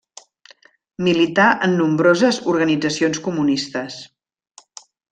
Milità en nombroses organitzacions comunistes.